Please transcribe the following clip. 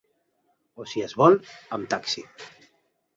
O si es vol, amb taxi.